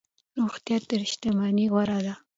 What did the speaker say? روغتيا تر شتمنۍ غوره ده.